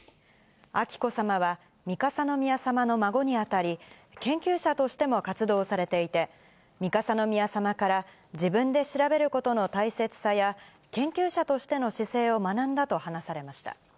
彬子さまは、三笠宮さまの孫に当たり、研究者としても活動されていて、三笠宮さまから、自分で調べることの大切さや、研究者としての姿勢を学んだと話されました。